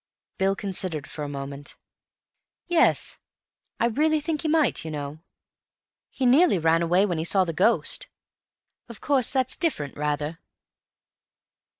Bill considered for a moment. "Yes, I really think he might, you know. He nearly ran away when he saw the ghost. Of course, that's different, rather."